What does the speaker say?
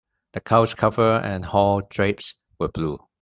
The couch cover and hall drapes were blue.